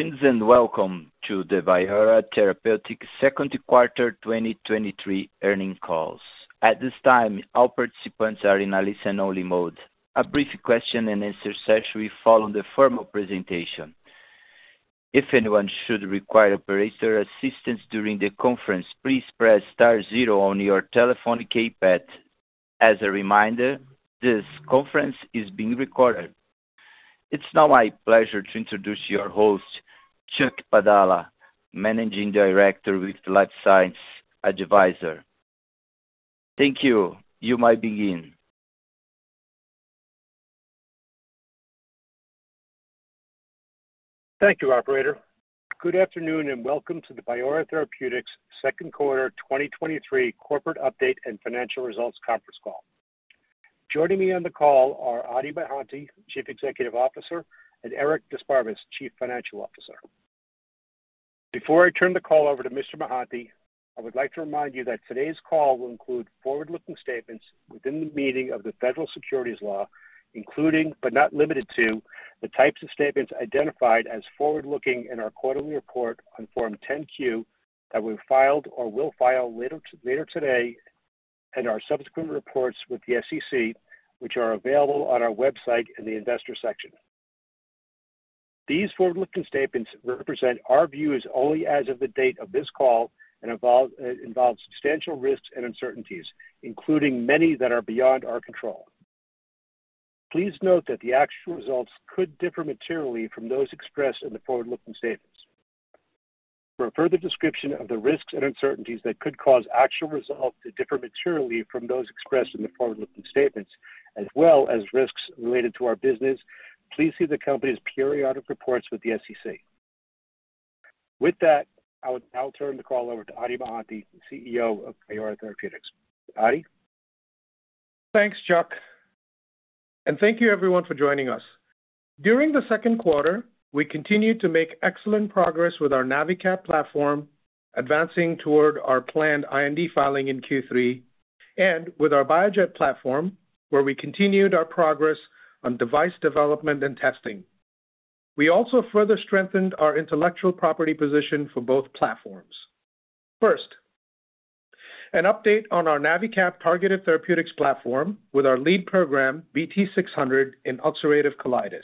Greetings, welcome to the Biora Therapeutics second quarter 2023 earning calls. At this time, all participants are in a listen-only mode. A brief question and answer session will follow the formal presentation. If anyone should require operator assistance during the conference, please press star zero on your telephone keypad. As a reminder, this conference is being recorded. It's now my pleasure to introduce your host, Chuck Padala, Managing Director with LifeSci Advisors. Thank you. You may begin. Thank you, operator. Good afternoon, and welcome to the Biora Therapeutics second quarter 2023 corporate update and financial results conference call. Joining me on the call are Adi Mohanty, Chief Executive Officer, and Eric d'Esparbes, Chief Financial Officer. Before I turn the call over to Mr. Mohanty, I would like to remind you that today's call will include forward-looking statements within the meaning of the Federal Securities Law, including, but not limited to, the types of statements identified as forward-looking in our quarterly report on Form 10-Q that we filed or will file later today, and our subsequent reports with the SEC, which are available on our website in the investor section. These forward-looking statements represent our view as only as of the date of this call and involve substantial risks and uncertainties, including many that are beyond our control. Please note that the actual results could differ materially from those expressed in the forward-looking statements. For a further description of the risks and uncertainties that could cause actual results to differ materially from those expressed in the forward-looking statements, as well as risks related to our business, please see the company's periodic reports with the SEC. With that, I will now turn the call over to Adi Mohanty, CEO of Biora Therapeutics. Adi? Thanks, Chuck, and thank you everyone for joining us. During the second quarter, we continued to make excellent progress with our NaviCap platform, advancing toward our planned IND filing in Q3, and with our BioJet platform, where we continued our progress on device development and testing. We also further strengthened our intellectual property position for both platforms. First, an update on our NaviCap targeted therapeutics platform with our lead program, BT-600, in ulcerative colitis.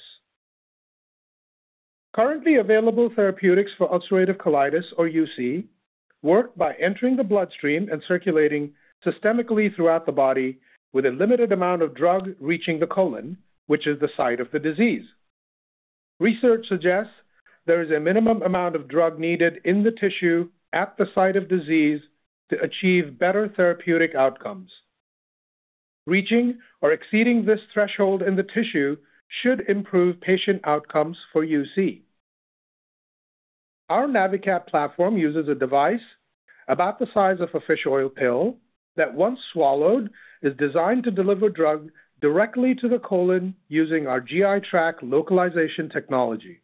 Currently available therapeutics for ulcerative colitis, or UC, work by entering the bloodstream and circulating systemically throughout the body with a limited amount of drug reaching the colon, which is the site of the disease. Research suggests there is a minimum amount of drug needed in the tissue at the site of disease to achieve better therapeutic outcomes. Reaching or exceeding this threshold in the tissue should improve patient outcomes for UC. Our NaviCap platform uses a device about the size of a fish oil pill that, once swallowed, is designed to deliver drug directly to the colon using our GI tract localization technology.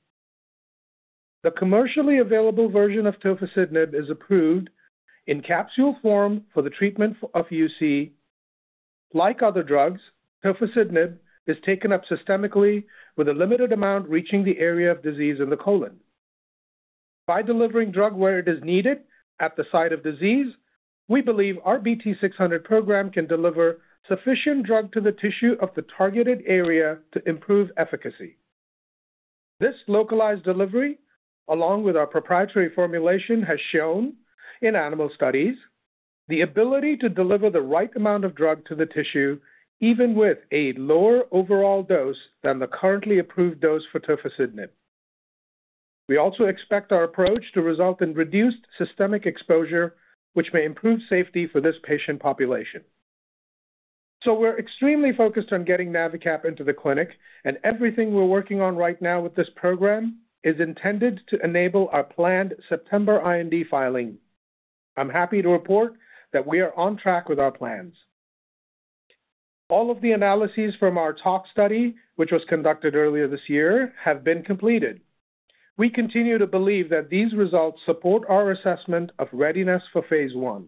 The commercially available version of tofacitinib is approved in capsule form for the treatment of UC. Like other drugs, tofacitinib is taken up systemically with a limited amount reaching the area of disease in the colon. By delivering drug where it is needed at the site of disease, we believe our BT-600 program can deliver sufficient drug to the tissue of the targeted area to improve efficacy. This localized delivery, along with our proprietary formulation, has shown in animal studies the ability to deliver the right amount of drug to the tissue, even with a lower overall dose than the currently approved dose for tofacitinib. We also expect our approach to result in reduced systemic exposure, which may improve safety for this patient population. We're extremely focused on getting NaviCap into the clinic, and everything we're working on right now with this program is intended to enable our planned September IND filing. I'm happy to report that we are on track with our plans. All of the analyses from our tox study, which was conducted earlier this year, have been completed. We continue to believe that these results support our assessment of readiness for phase I.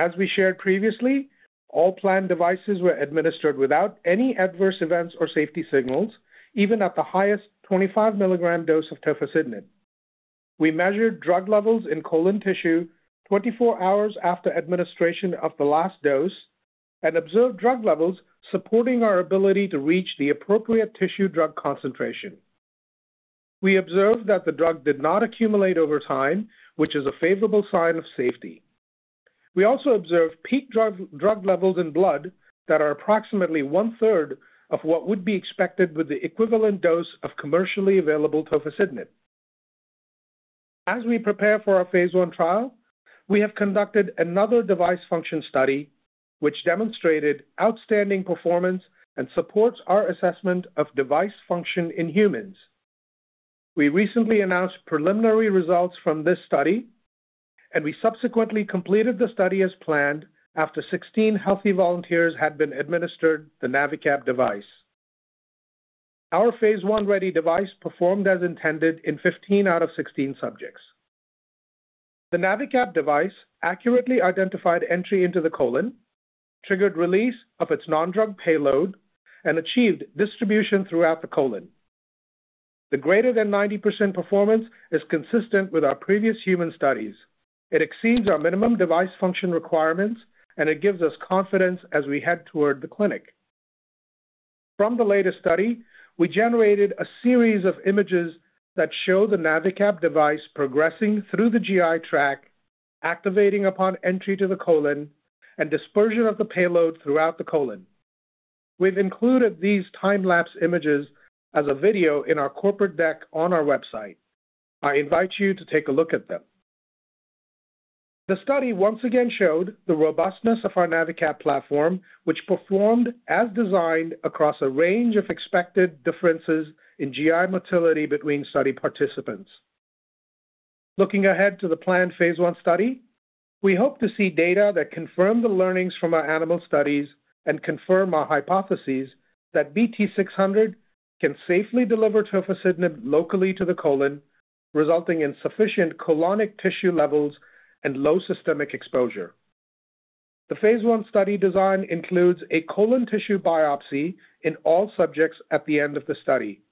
As we shared previously, all planned devices were administered without any adverse events or safety signals, even at the highest 25 milligram dose of tofacitinib. We measured drug levels in colon tissue 24 hours after administration of the last dose and observed drug levels supporting our ability to reach the appropriate tissue drug concentration. We observed that the drug did not accumulate over time, which is a favorable sign of safety. We also observed peak drug, drug levels in blood that are approximately 1/3 of what would be expected with the equivalent dose of commercially available tofacitinib. As we prepare for our phase I trial, we have conducted another device function study, which demonstrated outstanding performance and supports our assessment of device function in humans. We recently announced preliminary results from this study, and we subsequently completed the study as planned, after 16 healthy volunteers had been administered the NaviCap device. Our phase I-ready device performed as intended in 15 out of 16 subjects.T he NaviCap device accurately identified entry into the colon, triggered release of its non-drug payload, and achieved distribution throughout the colon. The greater than 90% performance is consistent with our previous human studies. It exceeds our minimum device function requirements, and it gives us confidence as we head toward the clinic. From the latest study, we generated a series of images that show the NaviCap device progressing through the GI tract, activating upon entry to the colon, and dispersion of the payload throughout the colon. We've included these time-lapse images as a video in our corporate deck on our website. I invite you to take a look at them. The study once again showed the robustness of our NaviCap platform, which performed as designed across a range of expected differences in GI motility between study participants. Looking ahead to the planned phase I study, we hope to see data that confirm the learnings from our animal studies and confirm our hypotheses that BT-600 can safely deliver tofacitinib locally to the colon, resulting in sufficient colonic tissue levels and low systemic exposure. The phase I study design includes a colon tissue biopsy in all subjects at the end of the study.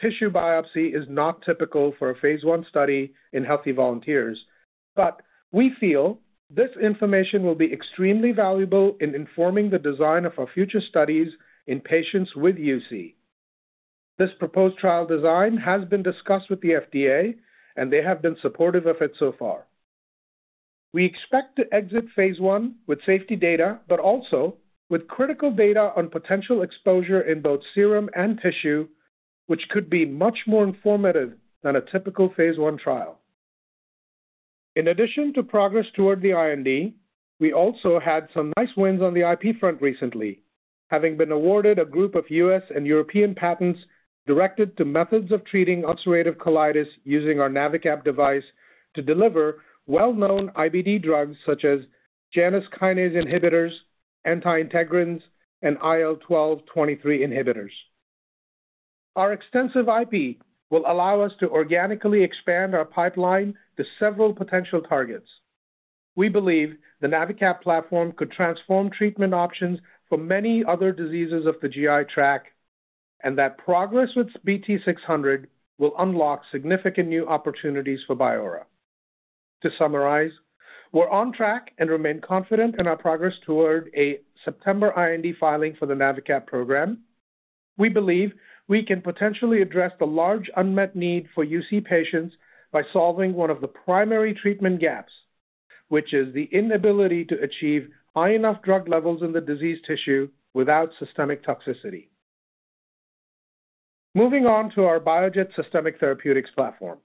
Tissue biopsy is not typical for a phase I study in healthy volunteers, but we feel this information will be extremely valuable in informing the design of our future studies in patients with UC. This proposed trial design has been discussed with the FDA, and they have been supportive of it so far. We expect to exit phase I with safety data, but also with critical data on potential exposure in both serum and tissue, which could be much more informative than a typical phase I trial. In addition to progress toward the IND, we also had some nice wins on the IP front recently, having been awarded a group of U.S. and European patents directed to methods of treating ulcerative colitis using our NaviCap device to deliver well-known IBD drugs such as Janus kinase inhibitors, anti-integrins, and IL-12/23 inhibitors. Our extensive IP will allow us to organically expand our pipeline to several potential targets. We believe the NaviCap platform could transform treatment options for many other diseases of the GI tract and that progress with BT-600 will unlock significant new opportunities for Biora. To summarize, we're on track and remain confident in our progress toward a September IND filing for the NaviCap program. We believe we can potentially address the large unmet need for UC patients by solving one of the primary treatment gaps, which is the inability to achieve high enough drug levels in the disease tissue without systemic toxicity. Moving on to our BioJet systemic therapeutics platform.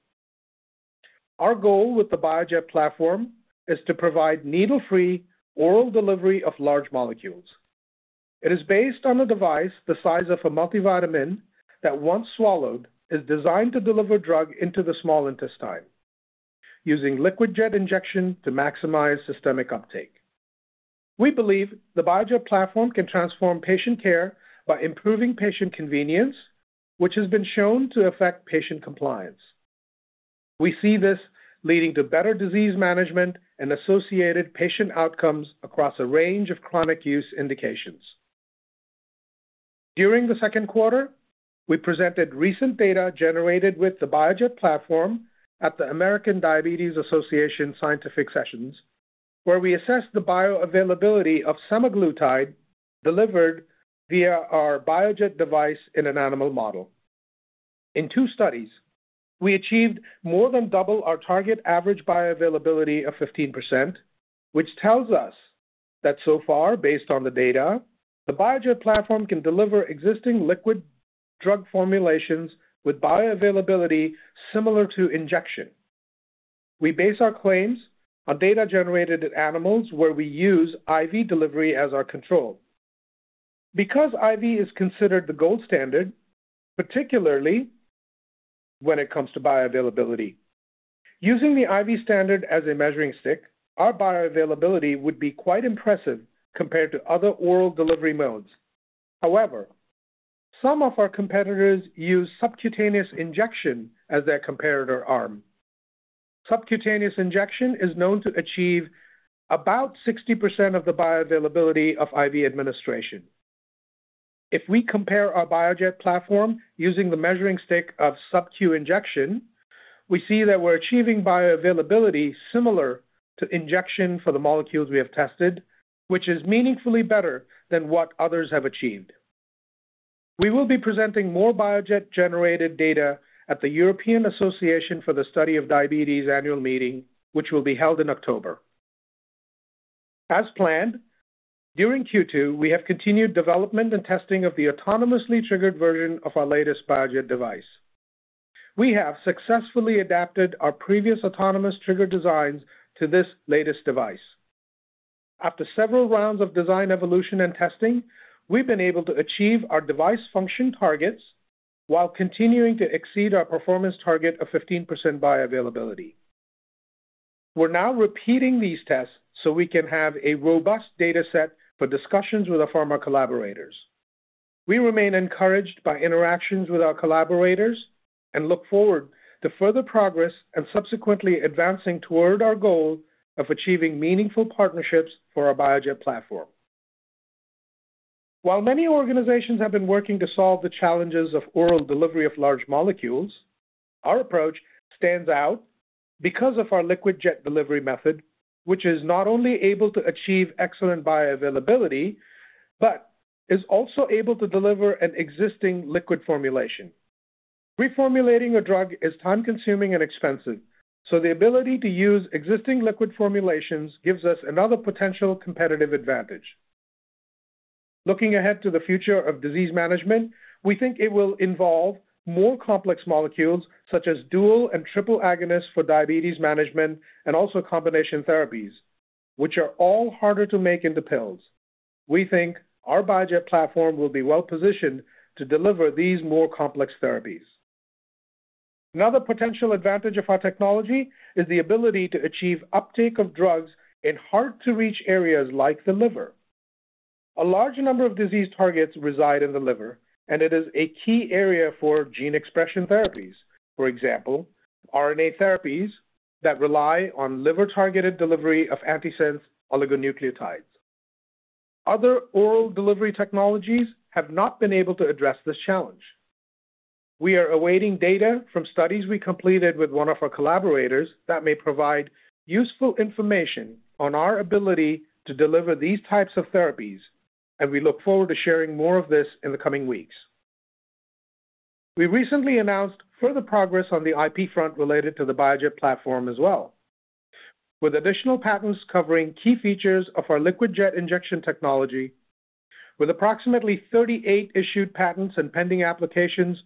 Our goal with the BioJet platform is to provide needle-free, oral delivery of large molecules. It is based on a device the size of a multivitamin that, once swallowed, is designed to deliver drug into the small intestine using liquid jet injection to maximize systemic uptake. We believe the BioJet platform can transform patient care by improving patient convenience, which has been shown to affect patient compliance. We see this leading to better disease management and associated patient outcomes across a range of chronic use indications. During the second quarter, we presented recent data generated with the BioJet platform at the American Diabetes Association Scientific Sessions, where we assessed the bioavailability of semaglutide delivered via our BioJet device in an animal model. In two studies, we achieved more than double our target average bioavailability of 15%, which tells us that so far, based on the data, the BioJet platform can deliver existing liquid drug formulations with bioavailability similar to injection. We base our claims on data generated in animals where we use IV delivery as our control. IV is considered the gold standard, particularly when it comes to bioavailability, using the IV standard as a measuring stick, our bioavailability would be quite impressive compared to other oral delivery modes. However, some of our competitors use subcutaneous injection as their comparator arm. Subcutaneous injection is known to achieve about 60% of the bioavailability of IV administration. If we compare our BioJet platform using the measuring stick of sub-Q injection, we see that we're achieving bioavailability similar to injection for the molecules we have tested, which is meaningfully better than what others have achieved. We will be presenting more BioJet-generated data at the European Association for the Study of Diabetes annual meeting, which will be held in October. As planned, during Q2, we have continued development and testing of the autonomously triggered version of our latest BioJet device. We have successfully adapted our previous autonomous trigger designs to this latest device. After several rounds of design evolution and testing, we've been able to achieve our device function targets while continuing to exceed our performance target of 15% bioavailability. We're now repeating these tests so we can have a robust data set for discussions with our pharma collaborators. We remain encouraged by interactions with our collaborators and look forward to further progress and subsequently advancing toward our goal of achieving meaningful partnerships for our BioJet platform. While many organizations have been working to solve the challenges of oral delivery of large molecules, our approach stands out because of our liquid jet delivery method, which is not only able to achieve excellent bioavailability, but is also able to deliver an existing liquid formulation. Reformulating a drug is time-consuming and expensive, so the ability to use existing liquid formulations gives us another potential competitive advantage. Looking ahead to the future of disease management, we think it will involve more complex molecules, such as dual and triple agonists for diabetes management and also combination therapies, which are all harder to make into pills. We think our BioJet platform will be well positioned to deliver these more complex therapies. Another potential advantage of our technology is the ability to achieve uptake of drugs in hard-to-reach areas like the liver. A large number of disease targets reside in the liver, and it is a key area for gene expression therapies. For example, RNA therapies that rely on liver-targeted delivery of antisense oligonucleotides. Other oral delivery technologies have not been able to address this challenge. We are awaiting data from studies we completed with one of our collaborators that may provide useful information on our ability to deliver these types of therapies. We look forward to sharing more of this in the coming weeks. We recently announced further progress on the IP front related to the BioJet platform as well, with additional patents covering key features of our liquid jet injection technology. With approximately 38 issued patents and pending applications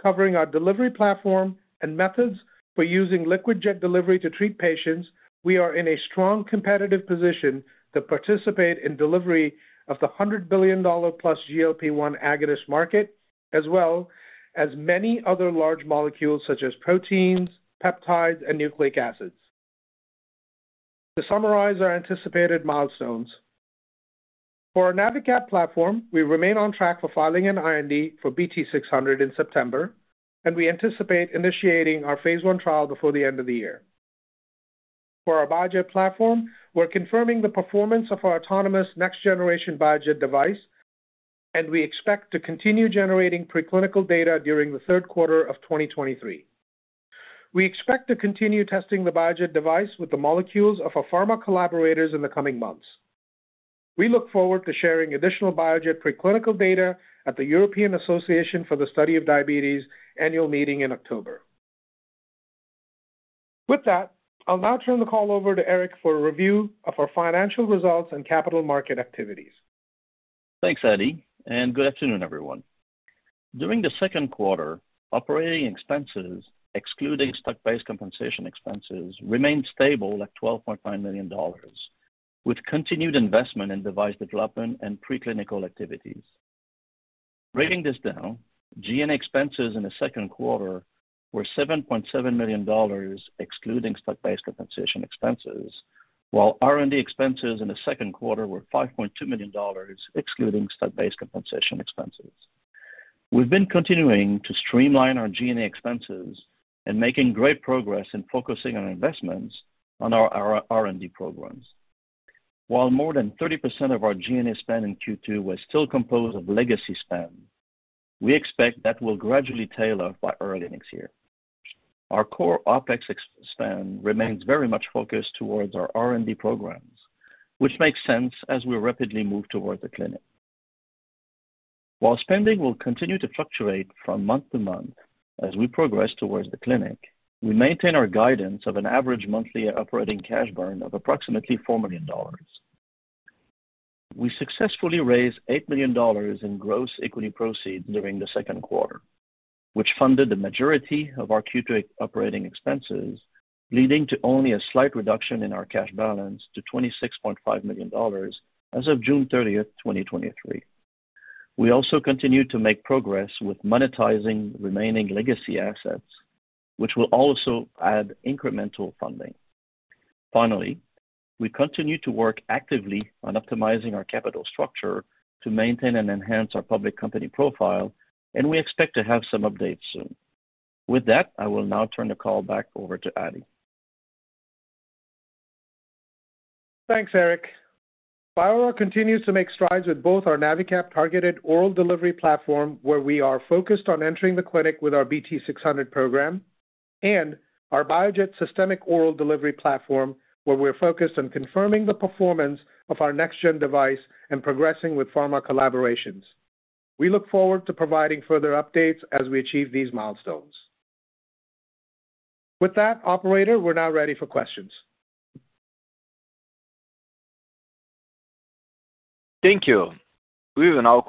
covering our delivery platform and methods for using liquid jet delivery to treat patients, we are in a strong competitive position to participate in delivery of the $100 billion+ GLP-1 agonist market, as well as many other large molecules such as proteins, peptides, and nucleic acids. To summarize our anticipated milestones, for our NaviCap platform, we remain on track for filing an IND for BT-600 in September, and we anticipate initiating our phase I trial before the end of the year. For our BioJet platform, we're confirming the performance of our autonomous next generation BioJet device, and we expect to continue generating preclinical data during the third quarter of 2023. We expect to continue testing the BioJet device with the molecules of our pharma collaborators in the coming months. We look forward to sharing additional BioJet preclinical data at the European Association for the Study of Diabetes annual meeting in October. With that, I'll now turn the call over to Eric for a review of our financial results and capital market activities. Thanks, Adi, and good afternoon, everyone. During the second quarter, operating expenses, excluding stock-based compensation expenses, remained stable at $12.5 million, with continued investment in device development and preclinical activities. Breaking this down, G&A expenses in the second quarter were $7.7 million, excluding stock-based compensation expenses, while R&D expenses in the second quarter were $5.2 million, excluding stock-based compensation expenses. We've been continuing to streamline our G&A expenses and making great progress in focusing on investments on our R&D programs. While more than 30% of our G&A spend in Q2 was still composed of legacy spend, we expect that will gradually tailor by early next year. Our core OpEx spend remains very much focused towards our R&D programs, which makes sense as we rapidly move towards the clinic. While spending will continue to fluctuate from month to month as we progress towards the clinic, we maintain our guidance of an average monthly operating cash burn of approximately $4 million. We successfully raised $8 million in gross equity proceeds during the second quarter, which funded the majority of our Q2 operating expenses, leading to only a slight reduction in our cash balance to $26.5 million as of June 30th, 2023. We also continued to make progress with monetizing remaining legacy assets, which will also add incremental funding. Finally, we continue to work actively on optimizing our capital structure to maintain and enhance our public company profile, and we expect to have some updates soon. With that, I will now turn the call back over to Adi. Thanks, Eric. Biora continues to make strides with both our NaviCap targeted oral delivery platform, where we are focused on entering the clinic with our BT-600 program, and our BioJet systemic oral delivery platform, where we're focused on confirming the performance of our next gen device and progressing with pharma collaborations. We look forward to providing further updates as we achieve these milestones. With that, operator, we're now ready for questions. Thank you. We will now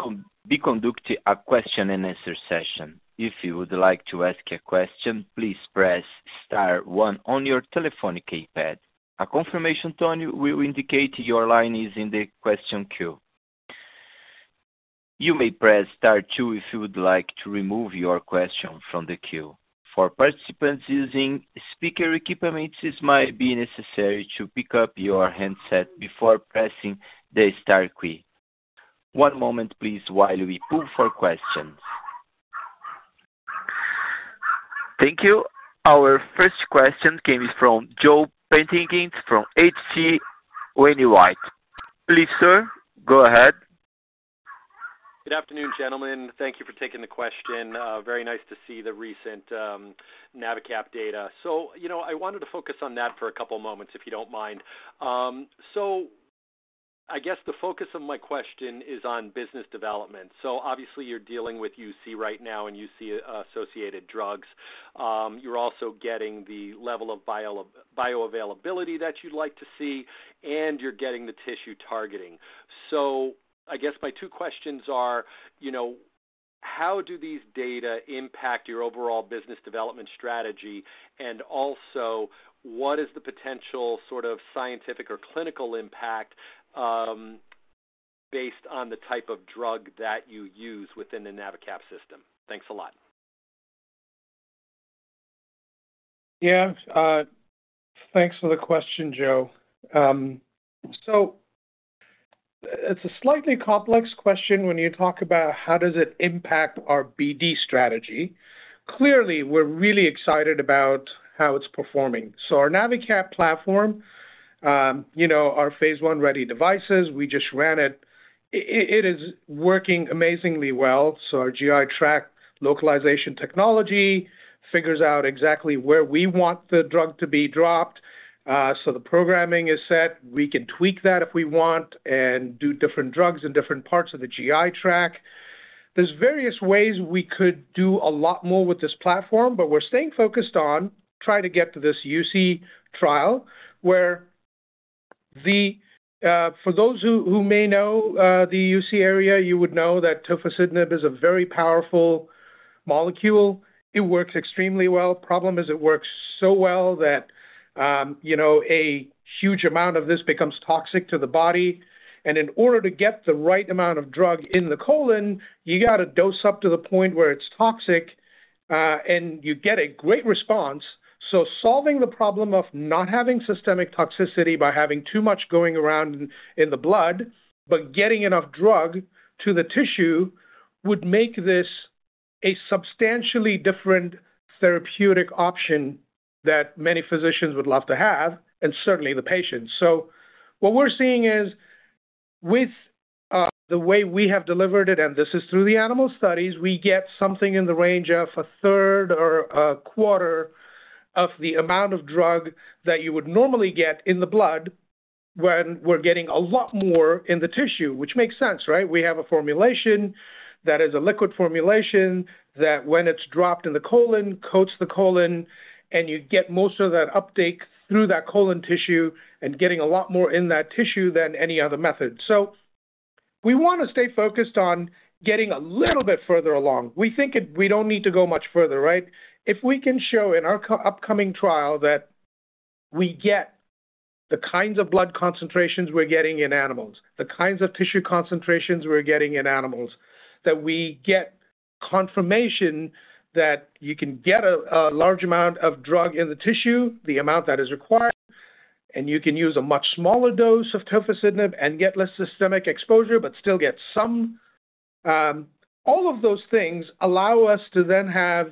be conducting a question and answer session. If you would like to ask a question, please press star one on your telephone keypad. A confirmation tone will indicate your line is in the question queue. You may press star two if you would like to remove your question from the queue. For participants using speaker equipment, it might be necessary to pick up your handset before pressing the star key. One moment, please, while we pull for questions. Thank you. Our first question comes from Joe Pantginis from H.C. Wainwright. Please, sir, go ahead. Good afternoon, gentlemen. Thank you for taking the question. Very nice to see the recent NaviCap data. You know, I wanted to focus on that for a couple moments, if you don't mind. I guess the focus of my question is on business development. Obviously, you're dealing with UC right now and UC-associated drugs. You're also getting the level of bioavailability that you'd like to see, and you're getting the tissue targeting. I guess my two questions are, you know, how do these data impact your overall business development strategy? Also, what is the potential sort of scientific or clinical impact, based on the type of drug that you use within the NaviCap system? Thanks a lot. Yeah. Thanks for the question, Joe. It's a slightly complex question when you talk about how does it impact our BD strategy. Clearly, we're really excited about how it's performing. Our NaviCap platform, you know, our phase I-ready devices, we just ran it. It is working amazingly well. Our GI tract localization technology figures out exactly where we want the drug to be dropped. The programming is set. We can tweak that if we want and do different drugs in different parts of the GI tract. There's various ways we could do a lot more with this platform, but we're staying focused on trying to get to this UC trial, where the, for those who may know, the UC area, you would know that tofacitinib is a very powerful molecule. It works extremely well. Problem is, it works so well that, you know, a huge amount of this becomes toxic to the body, and in order to get the right amount of drug in the colon, you got to dose up to the point where it's toxic, and you get a great response. Solving the problem of not having systemic toxicity by having too much going around in the blood, but getting enough drug to the tissue, would make this a substantially different therapeutic option that many physicians would love to have, and certainly the patients. What we're seeing is with the way we have delivered it, and this is through the animal studies, we get something in the range of a third or a quarter of the amount of drug that you would normally get in the blood, when we're getting a lot more in the tissue, which makes sense, right? We have a formulation that is a liquid formulation that when it's dropped in the colon, coats the colon, and you get most of that uptake through that colon tissue and getting a lot more in that tissue than any other method. We want to stay focused on getting a little bit further along. We think it, we don't need to go much further, right? If we can show in our co-upcoming trial that we get the kinds of blood concentrations we're getting in animals, the kinds of tissue concentrations we're getting in animals, that we get confirmation that you can get a, a large amount of drug in the tissue, the amount that is required, and you can use a much smaller dose of tofacitinib and get less systemic exposure, but still get some. All of those things allow us to then have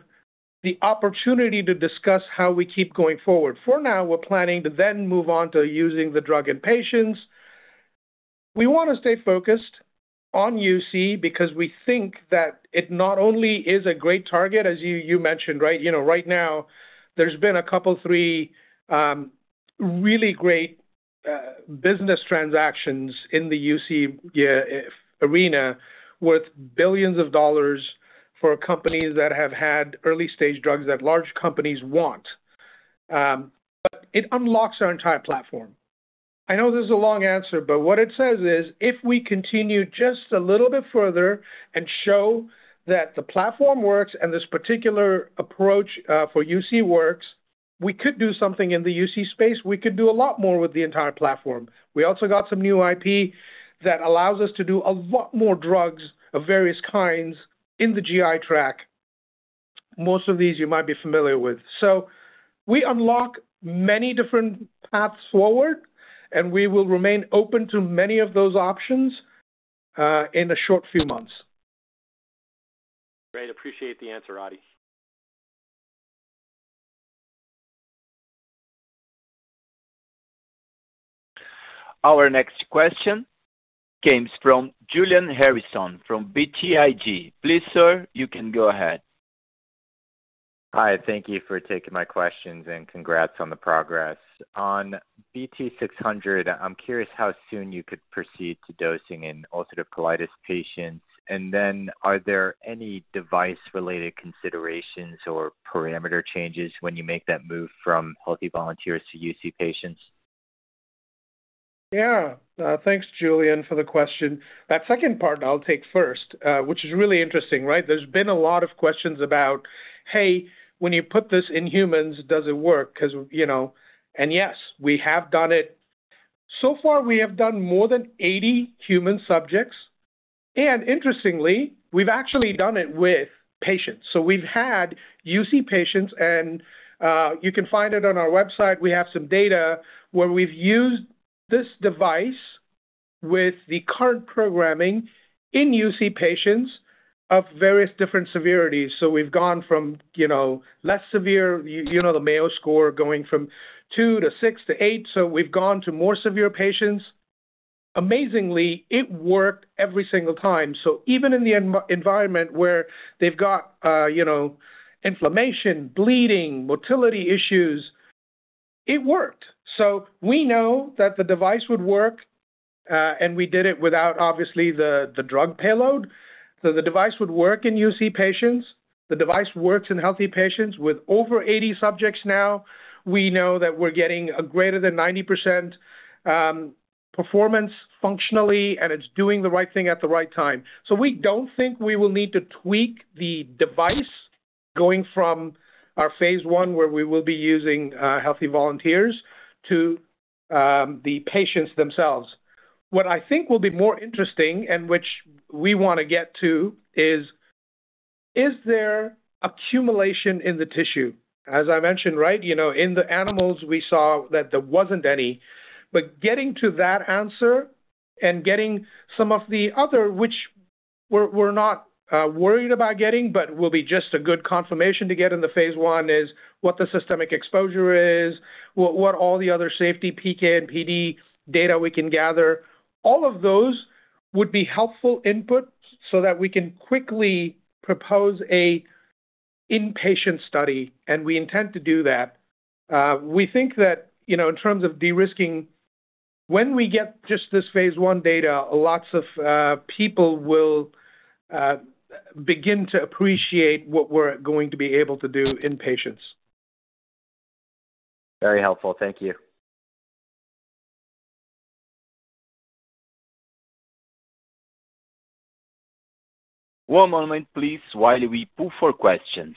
the opportunity to discuss how we keep going forward. For now, we're planning to then move on to using the drug in patients. We want to stay focused on UC because we think that it not only is a great target, as you, you mentioned, right? You know, right now, there's been a couple, three, really great business transactions in the UC, yeah, arena worth $billions for companies that have had early-stage drugs that large companies want. It unlocks our entire platform. I know this is a long answer, but what it says is, if we continue just a little bit further and show that the platform works and this particular approach for UC Works, we could do something in the UC Space. We could do a lot more with the entire platform. We also got some new IP that allows us to do a lot more drugs of various kinds in the GI tract. Most of these you might be familiar with. We unlock many different paths forward, and we will remain open to many of those options in a short few months. Great. Appreciate the answer, Adi. Our next question comes from Julian Harrison from BTIG. Please, sir, you can go ahead. Hi, thank you for taking my questions, congrats on the progress. On BT-600, I'm curious how soon you could proceed to dosing in ulcerative colitis patients. Are there any device-related considerations or parameter changes when you make that move from healthy volunteers to UC patients? Yeah. Thanks, Julian, for the question. That second part I'll take first, which is really interesting, right? There's been a lot of questions about, "Hey, when you put this in humans, does it work?" 'Cause, you know. Yes, we have done it. So far, we have done more than 80 human subjects, and interestingly, we've actually done it with patients. We've had UC patients, and you can find it on our website. We have some data where we've used this device with the current programming in UC patients of various different severities. We've gone from, you know, less severe, you know, the Mayo Score going from two to six to eight, we've gone to more severe patients. Amazingly, it worked every single time. Even in the environment where they've got, you know, inflammation, bleeding, motility issues, it worked. We know that the device would work, and we did it without obviously the, the drug payload. The device would work in UC patients. The device works in healthy patients. With over 80 subjects now, we know that we're getting a greater than 90% performance functionally, and it's doing the right thing at the right time. We don't think we will need to tweak the device going from our phase I, where we will be using healthy volunteers, to the patients themselves. What I think will be more interesting, and which we want to get to, is, is there accumulation in the tissue? As I mentioned, right, you know, in the animals, we saw that there wasn't any. Getting to that answer and getting some of the other, which we're, we're not worried about getting, but will be just a good confirmation to get in the phase I, is what the systemic exposure is, what, what all the other safety, PK, and PD data we can gather. All of those would be helpful inputs so that we can quickly propose a inpatient study, and we intend to do that. We think that, you know, in terms of de-risking, when we get just this phase I data, lots of people will begin to appreciate what we're going to be able to do in patients. Very helpful. Thank you. One moment, please, while we pull for questions.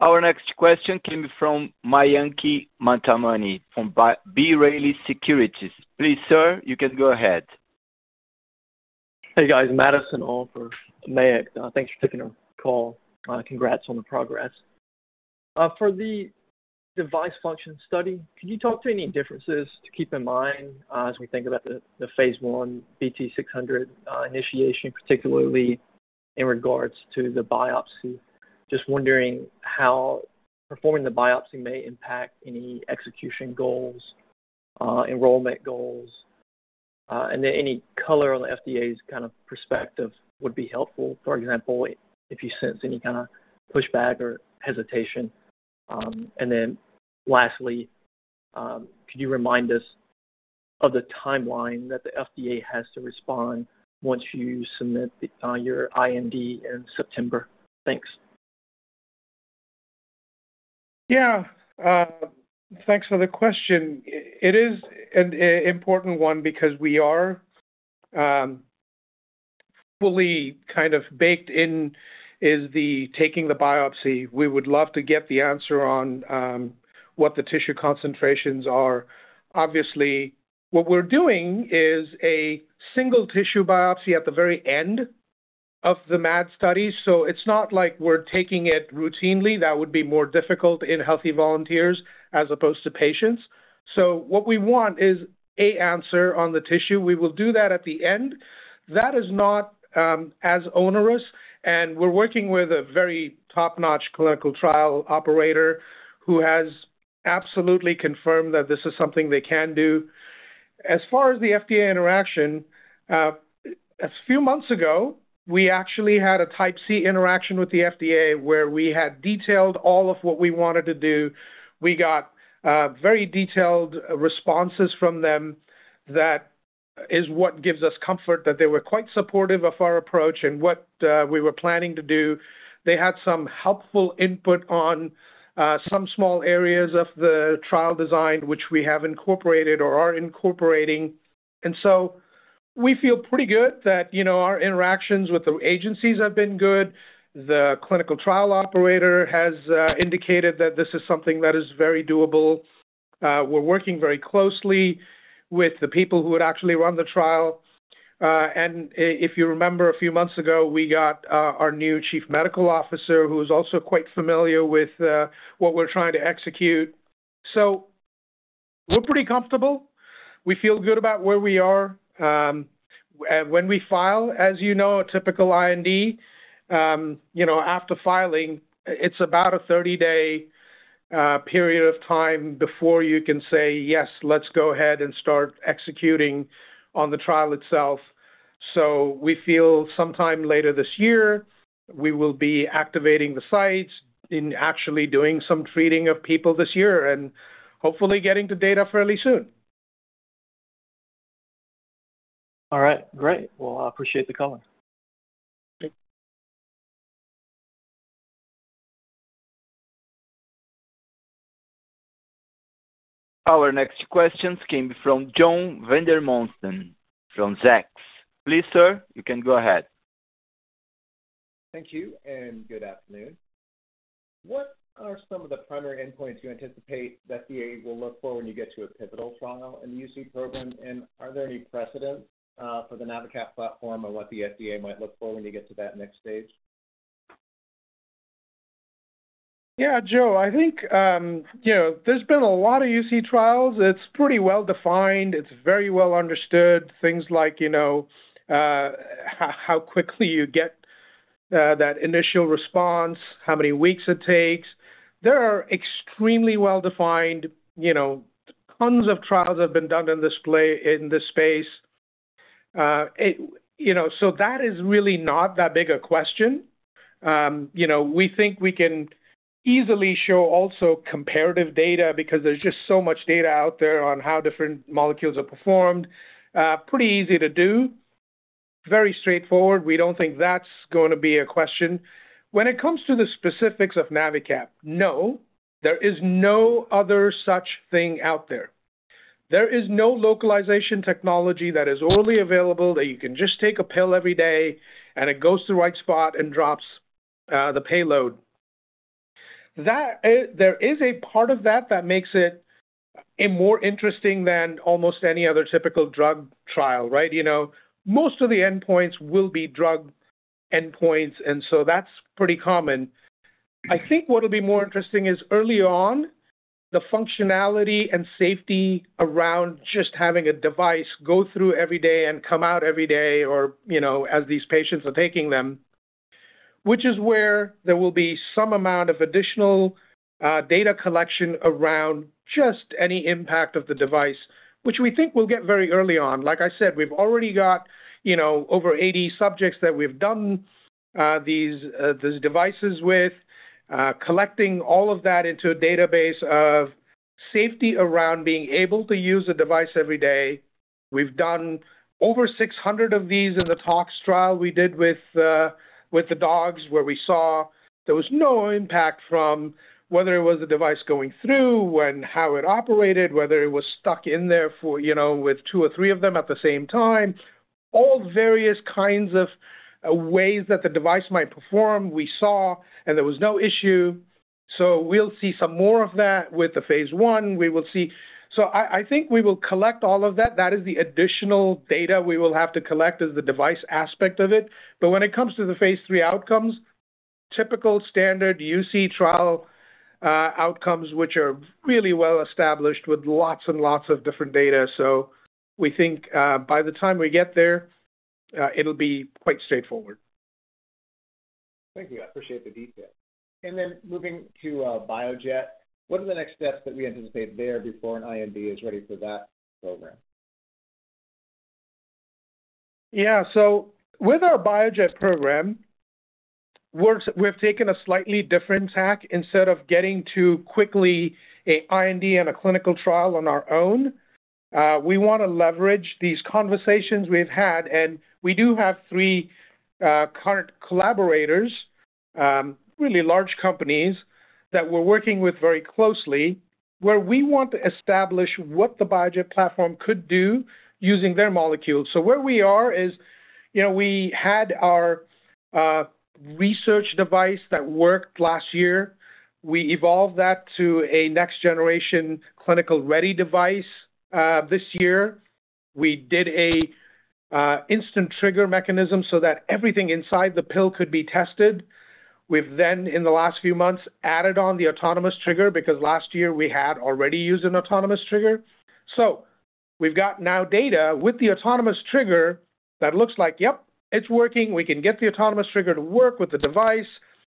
Our next question came from Mayank Mamtani from B. Riley Securities. Please, sir, you can go ahead. Hey, guys. Madison on for Mayank. Thanks for taking the call. Congrats on the progress. For the device function study, could you talk to any differences to keep in mind, as we think about the phase I BT-600 initiation, particularly in regards to the biopsy? Just wondering how performing the biopsy may impact any execution goals, enrollment goals, and then any color on the FDA's kind of perspective would be helpful. For example, if you sense any kind of pushback or hesitation. And then lastly, could you remind us of the timeline that the FDA has to respond once you submit your IND in September? Thanks. Yeah, thanks for the question. It is an, a important one because we are fully kind of baked in, is the taking the biopsy. We would love to get the answer on what the tissue concentrations are. Obviously, what we're doing is a single tissue biopsy at the very end of the MAD study, so it's not like we're taking it routinely. That would be more difficult in healthy volunteers as opposed to patients. What we want is, A, answer on the tissue. We will do that at the end. That is not as onerous, and we're working with a very top-notch clinical trial operator who has absolutely confirmed that this is something they can do. As far as the FDA interaction, a few months ago, we actually had a Type C meeting with the FDA, where we had detailed all of what we wanted to do. We got very detailed responses from them. That is what gives us comfort, that they were quite supportive of our approach and what we were planning to do. They had some helpful input on some small areas of the trial design, which we have incorporated or are incorporating. So we feel pretty good that, you know, our interactions with the agencies have been good. The clinical trial operator has indicated that this is something that is very doable. We're working very closely with the people who would actually run the trial. If you remember, a few months ago, we got our new chief medical officer, who is also quite familiar with what we're trying to execute. We're pretty comfortable. We feel good about where we are. When we file, as you know, a typical IND, you know, after filing, it's about a 30-day period of time before you can say, "Yes, let's go ahead and start executing on the trial itself." We feel sometime later this year, we will be activating the sites and actually doing some treating of people this year and hopefully getting the data fairly soon. Great. Well, I appreciate the call. Our next question came from John Vandermosten from Zacks. Please, sir, you can go ahead. Thank you, and good afternoon. What are some of the primary endpoints you anticipate the FDA will look for when you get to a pivotal trial in the UC program, and are there any precedents for the NaviCap platform on what the FDA might look for when you get to that next stage? Yeah, Joe, I think, you know, there's been a lot of UC trials. It's pretty well defined. It's very well understood. Things like, you know, how, how quickly you get that initial response, how many weeks it takes. They are extremely well defined. You know, tons of trials have been done in this play, in this space. You know, so that is really not that big a question. You know, we think we can easily show also comparative data because there's just so much data out there on how different molecules are performed. Pretty easy to do, very straightforward. We don't think that's going to be a question. When it comes to the specifics of NaviCap, no, there is no other such thing out there. There is no localization technology that is orally available, that you can just take a pill every day, and it goes to the right spot and drops the payload. That there is a part of that that makes it more interesting than almost any other typical drug trial, right? You know, most of the endpoints will be drug endpoints, and so that's pretty common. I think what will be more interesting is, early on, the functionality and safety around just having a device go through every day and come out every day, or, you know, as these patients are taking them, which is where there will be some amount of additional data collection around just any impact of the device, which we think we'll get very early on. Like I said, we've already got, you know, over 80 subjects that we've done these devices with, collecting all of that into a database of safety around being able to use a device every day. We've done over 600 of these in the tox study we did with the dogs, where we saw there was no impact from whether it was a device going through and how it operated, whether it was stuck in there for, you know, with 2 or 3 of them at the same time. All various kinds of ways that the device might perform, we saw, and there was no issue. We'll see some more of that with the phase I. We will see... I, I think we will collect all of that. That is the additional data we will have to collect as the device aspect of it. But when it comes to the phase III outcomes, typical standard UC trial, outcomes, which are really well established with lots and lots of different data. We think, by the time we get there, it'll be quite straightforward. Thank you. I appreciate the detail. Moving to, BioJet, what are the next steps that we anticipate there before an IND is ready for that program? With our BioJet program, we've taken a slightly different tack. Instead of getting to quickly a IND and a clinical trial on our own, we wanna leverage these conversations we've had, and we do have three current collaborators, really large companies, that we're working with very closely, where we want to establish what the BioJet platform could do using their molecules. Where we are is, you know, we had our research device that worked last year. We evolved that to a next-generation clinical-ready device. This year, we did a instant trigger mechanism so that everything inside the pill could be tested. We've then, in the last few months, added on the autonomous trigger because last year we had already used an autonomous trigger. We've got now data with the autonomous trigger that looks like, yep, it's working. We can get the autonomous trigger to work with the device.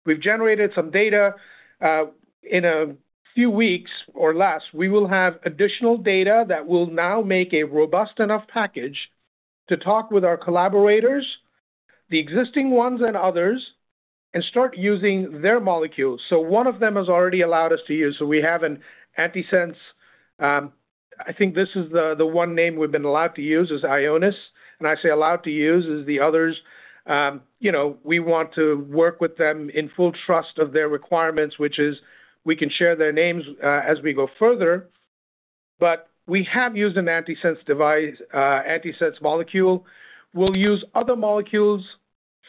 We've generated some data. In a few weeks or less, we will have additional data that will now make a robust enough package to talk with our collaborators, the existing ones and others, and start using their molecules. One of them has already allowed us to use. We have an antisense. I think this is the, the one name we've been allowed to use is Ionis, and I say allowed to use is the others. You know, we want to work with them in full trust of their requirements, which is we can share their names, as we go further, but we have used an antisense device, antisense molecule. We'll use other molecules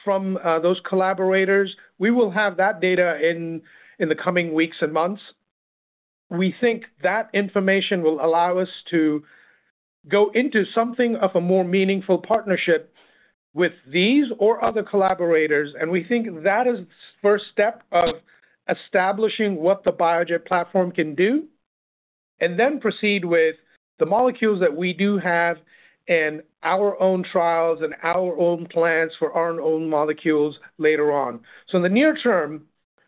from those collaborators. We will have that data in, in the coming weeks and months. We think that information will allow us to go into something of a more meaningful partnership with these or other collaborators, and we think that is the first step of establishing what the BioJet platform can do, and then proceed with the molecules that we do have in our own trials and our own plans for our own molecules later on. In the near term,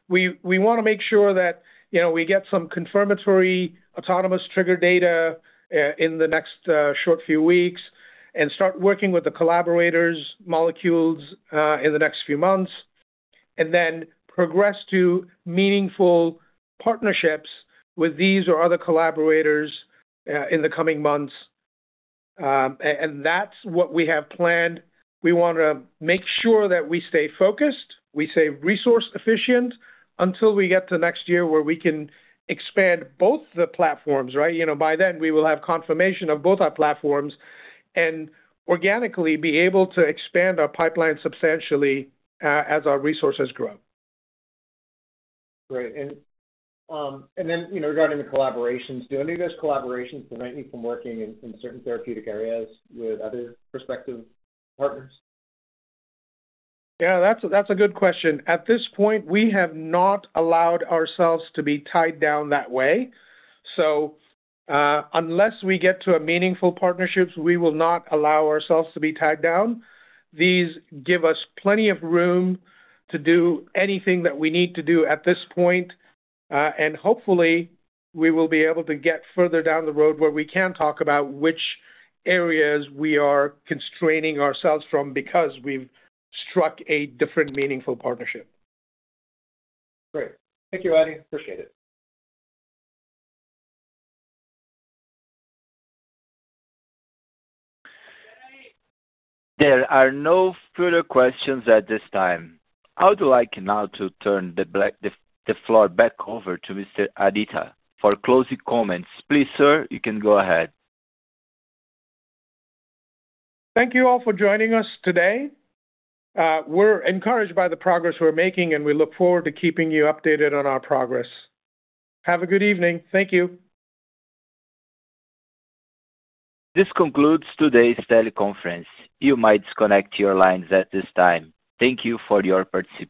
we wanna make sure that, you know, we get some confirmatory, autonomous trigger data in the next short few weeks and start working with the collaborators' molecules in the next few months, and then progress to meaningful partnerships with these or other collaborators in the coming months. That's what we have planned. We want to make sure that we stay focused, we stay resource efficient, until we get to next year where we can expand both the platforms, right? You know, by then, we will have confirmation of both our platforms and organically be able to expand our pipeline substantially, as our resources grow. Great. Then, you know, regarding the collaborations, do any of those collaborations prevent you from working in, in certain therapeutic areas with other prospective partners? Yeah, that's a, that's a good question. At this point, we have not allowed ourselves to be tied down that way. Unless we get to a meaningful partnerships, we will not allow ourselves to be tied down. These give us plenty of room to do anything that we need to do at this point, hopefully, we will be able to get further down the road where we can talk about which areas we are constraining ourselves from because we've struck a different meaningful partnership. Great. Thank you, Adi. Appreciate it. There are no further questions at this time. I would like now to turn the floor back over to Mr. Adi for closing comments. Please, sir, you can go ahead. Thank you all for joining us today. We're encouraged by the progress we're making, and we look forward to keeping you updated on our progress. Have a good evening. Thank you. This concludes today's teleconference. You might disconnect your lines at this time. Thank you for your participation.